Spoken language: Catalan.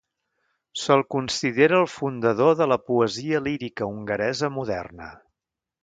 Se'l considera el fundador de la poesia lírica hongaresa moderna.